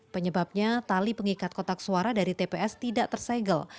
penyebabnya tali pengikat kotak suara dari tps tidak tersegel